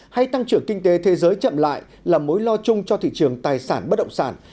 hay tăng trưởng kinh tế thế giới chậm lại là mối lo chung cho thị trường tài sản bất động sản